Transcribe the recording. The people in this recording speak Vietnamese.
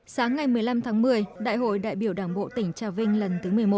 sáng ngày một mươi năm tháng một mươi đại hội đại biểu đảng bộ tỉnh trà vinh lần thứ một mươi một